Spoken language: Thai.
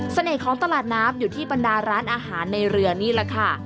ของตลาดน้ำอยู่ที่บรรดาร้านอาหารในเรือนี่แหละค่ะ